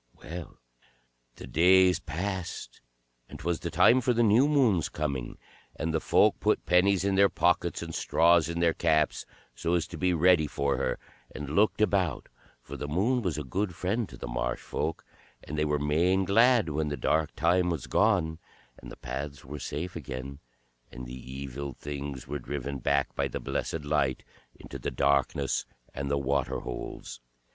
Well, the days passed, and 't was the time for the new moon's coming, and the folk put pennies in their pockets and straws in their caps so as to be ready for her, and looked about, for the Moon was a good friend to the marsh folk, and they were main glad when the dark time was gone, and the paths were safe again, and the Evil Things were driven back by the blessed Light into the darkness and the waterholes.